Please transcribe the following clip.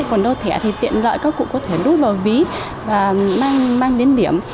còn đốt thẻ thì tiện lợi các cụ có thể đút vào ví và mang đến điểm